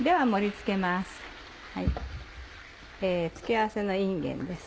付け合わせのいんげんです。